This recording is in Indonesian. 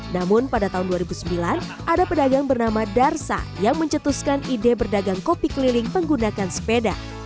namun pada tahun dua ribu sembilan ada pedagang bernama darsa yang mencetuskan ide berdagang kopi keliling menggunakan sepeda